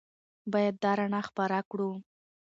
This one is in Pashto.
باید دا رڼا خپره کړو.